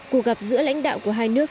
cụ gặp giữa lãnh đạo của hai nước